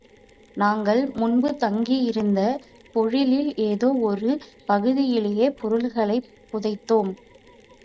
நாங்கள் முன்பு தங்கியிருந்த பொழிலில் ஏதோ ஒரு பகுதியிலே பொருள்களைப் புதைத்தோம்.